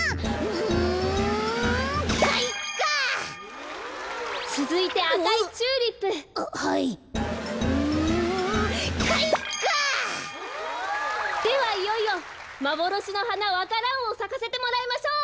「うんかいか！」ではいよいよまぼろしのはなわか蘭をさかせてもらいましょう。